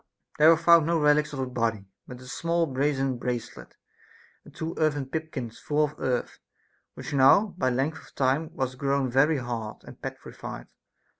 There were found no relics of a body ; but a small brazen brace let, and two earthen pipkins full of earth, which now by length of time was grown very hard and petrified.